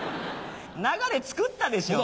流れつくったでしょ？